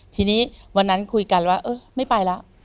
ทีนี้วันนั้นคุยกันว่าเออไม่ไปแล้ว